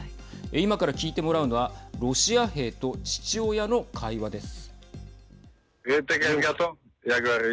今から聞いてもらうのはロシア兵と父親の会話です。